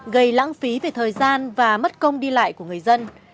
gây lãng phí về thời gian và mất công đi lại của người dân